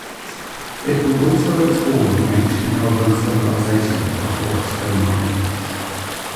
It will also explore the ancient Elven civilisation before its demise.